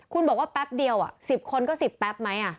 คุณบอกว่าแป๊บเดียว๑๐คนก็๑๐แป๊บไหม